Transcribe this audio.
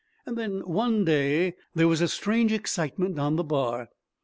And then, one day, there was a strange excitement on the Bar.